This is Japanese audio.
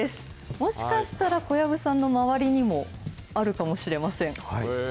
もしかしたら小籔さんの周りにもあるかもしれません。